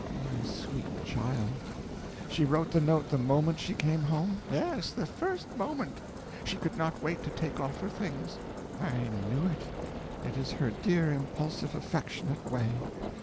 "My sweet child! She wrote the note the moment she came home?" "Yes the first moment. She would not wait to take off her things." "I knew it. It is her dear, impulsive, affectionate way.